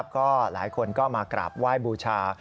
ก็หลายคนก็มากราบไหว้บูชา